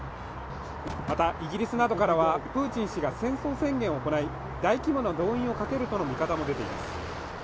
またイギリスなどからはプーチン氏が戦争宣言を行い大規模の動員をかけるとの見方も出ています